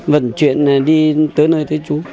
vận chuyện đi tới nơi tới chú